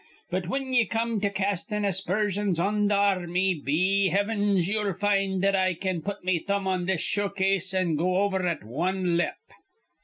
But whin ye come to castin' aspersions on th' ar'rmy, be hivens, ye'll find that I can put me thumb on this showcase an' go over at wan lep."